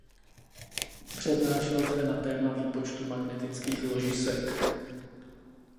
Přednášel zde na téma výpočtu magnetických ložisek.